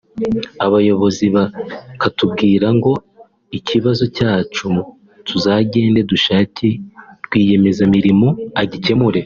abayobozi bakatubwira ngo ikibazo cyacu tuzagende dushake rwiyemezamirimo agikemure